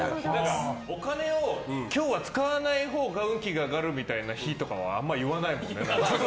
お金を今日は使わないほうが運気が上がるみたいな日とかはあんまり言わないもんね。